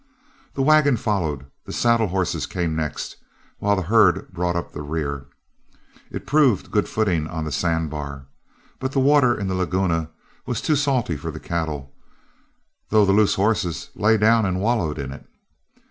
The wagon followed, the saddle horses came next, while the herd brought up the rear. It proved good footing on the sandbar, but the water in the laguna was too salty for the cattle, though the loose horses lay down and wallowed in it.